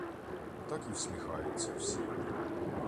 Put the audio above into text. Так і всміхаються всі.